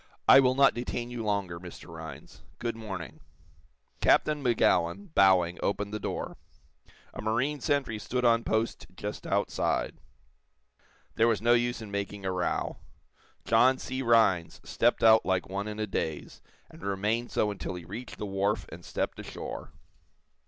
"I will not detain you longer, Mr. Rhinds. Good morning." Captain Magowan, bowing, opened the door. A marine sentry stood on post just outside. There was no use in making a row. John C. Rhinds stepped out like one in a daze, and remained so until he reached the wharf and stepped ashore.